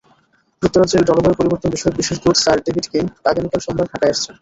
যুক্তরাজ্যের জলবায়ু পরিবর্তনবিষয়ক বিশেষ দূত স্যার ডেভিড কিং আগামীকাল সোমবার ঢাকায় আসছেন।